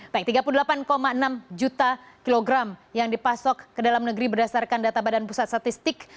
baik tiga puluh delapan enam juta kilogram yang dipasok ke dalam negeri berdasarkan data badan pusat statistik